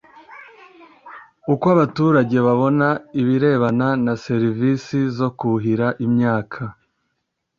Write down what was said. uko abaturage babona ibirebana na serivisi zo kuhira imyaka